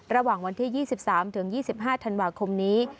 ระหว่างวันที่๒๓๒๕ธันวาคมนี้